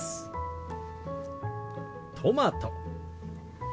トマト。